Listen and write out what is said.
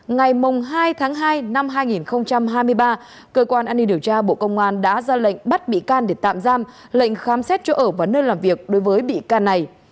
ngày hai tháng hai năm hai nghìn hai mươi ba cơ quan an ninh điều tra bộ công an đã ra lệnh bắt bị can để tạm giam lệnh khám xét chỗ ở và nơi làm việc đối với bị can này